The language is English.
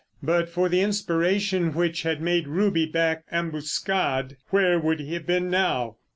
But for the inspiration which had made Ruby back Ambuscade where would he have been now?